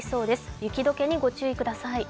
雪解けに御注意ください。